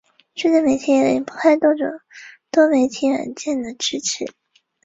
最先发现的裂变反应是由中子引发的裂变。